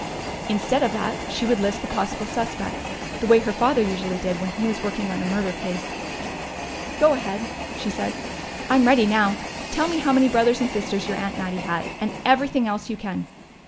Instead of that, she would list the possible suspects, the way her father usually did when he was working on a murder case. "Go ahead," she said. "I'm ready now. Tell me how many brothers and sisters your aunt Mattie had, and everything else you can."